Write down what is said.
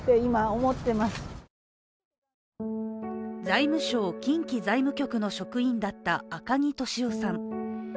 財務省・近畿財務局の職員だった赤木俊夫さん。